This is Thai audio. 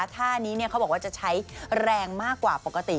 ท่านี้เขาบอกว่าจะใช้แรงมากกว่าปกติ